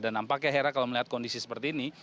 dan nampaknya hera kalau melihat kondisi seperti ini